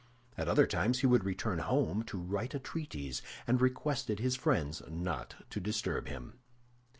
At other times he would return home to write a treatise, and requested his friends not to disturb him.